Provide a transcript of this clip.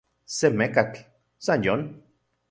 Se mekatl, san yon.